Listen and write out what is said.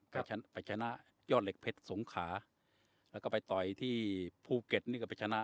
ไปชนะยอดเหล็กเพชรสงขาแล้วก็ไปต่อยที่ภูเก็ตนี่ก็ไปชนะ